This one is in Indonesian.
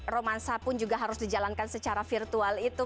romansa pun juga harus dijalankan secara virtual itu